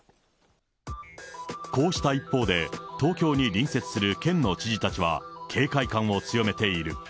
こうした一方で、東京に隣接する県の知事たちは、警戒感を強めている。